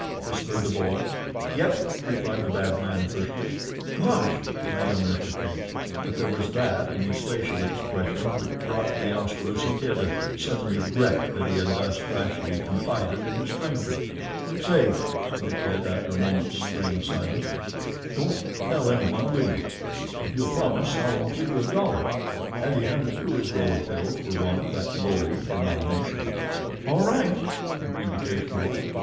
whispered the boy. "Yep," replied the bad man, tersely. "Gosh!" said the young Mr. Case, but there was that in his facial expression which brought to The Oskaloosa Kid a sudden regret that he had thus rashly confided in a stranger. "Say," said The Kid, after a moment's strained silence. "Don't tell anyone, will you? If you'll promise I'll give you a dollar," and he hunted through his roll of bills for one of that lowly denomination. "All right," agreed the Case boy.